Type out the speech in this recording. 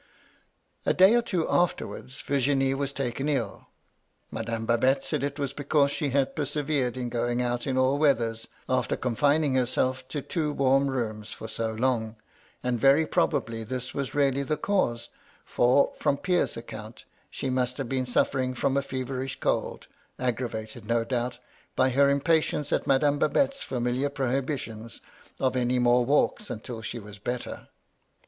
"A day or two afterwards, Virginie was taken ill. Madame Babette said it was because she had persevered in going out in all weathers, after confining herself to two warm rooms for so long ; and very probably this was really the cause, for, from Pierre's account, she must have been suflering from a feverish cold, aggra vated, no doubt, by her impatience at Madame Babette's familiar prohibitions of any more walks until she was better.